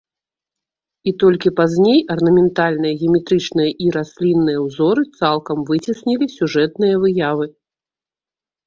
І толькі пазней арнаментальныя геаметрычныя і раслінныя ўзоры цалкам выцеснілі сюжэтныя выявы.